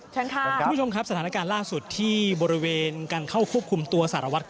เชิญค่ะคุณผู้ชมครับสถานการณ์ล่าสุดที่บริเวณการเข้าควบคุมตัวสารวัตร